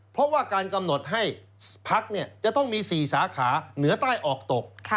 เพราะว่าการกำหนดให้พักจะต้องมี๔สาขาเหนือใต้ออกตก